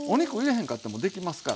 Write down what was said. へんかってもできますから。